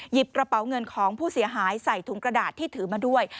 กระเป๋าเงินของผู้เสียหายใส่ถุงกระดาษที่ถือมาด้วย